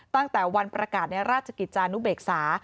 ตั้งแต่วันประกาศในราชกิจจานุเบกษา